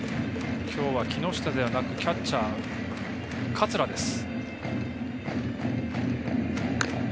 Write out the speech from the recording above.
きょうは木下ではなくキャッチャー、桂です。